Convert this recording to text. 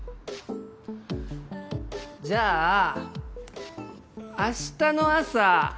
じゃあ明日の朝。